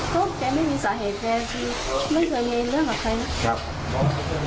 ก็แกไม่มีสาเหตุแกเป็นไม่เคยในเรื่องกับใคร